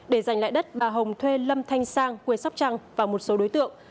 để giành lại đất bà hồng thuê lâm thanh sang quê sóc trăng và một số đối tượng